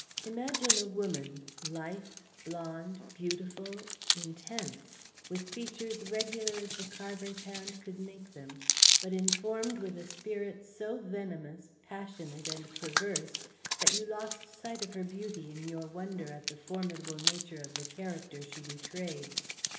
Imagine a woman, lithe, blonde, beautiful, intense; with features regular as the carver's hand could make them, but informed with a spirit so venomous, passionate, and perverse, that you lost sight of her beauty in your wonder at the formidable nature of the character she betrayed.